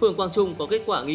tập trung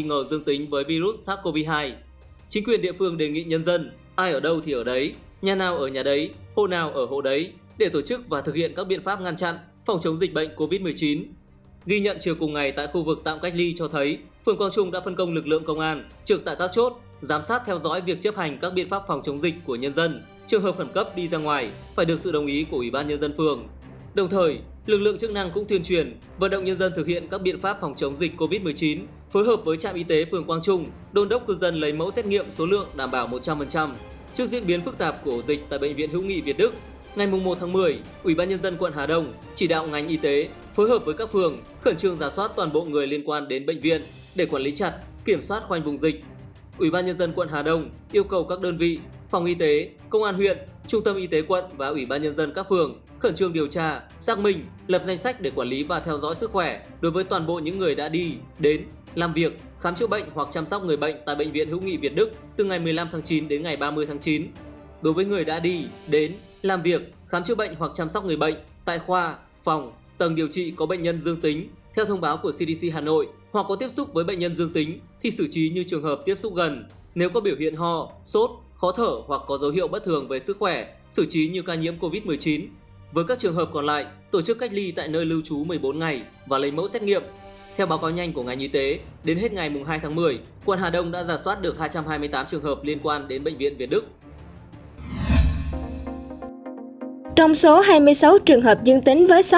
đối với người ngoài tỉnh tự phát trở về và có khả năng điều trị